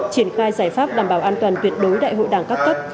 triển khai giải pháp đảm bảo an toàn tuyệt đối đại hội đảng các cấp